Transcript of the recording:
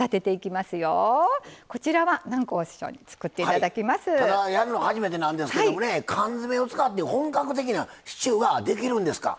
ただやるの初めてなんですけどもね缶詰を使って本格的なシチューができるんですか？